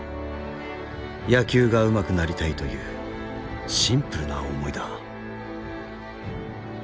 野球がうまくなりたいというシンプルな思いだ。